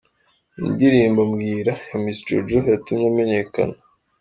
Indirimbo "Mbwira" ya Miss Jojo yatumye amenyekana.